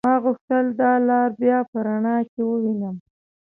ما غوښتل دا لار بيا په رڼا کې ووينم.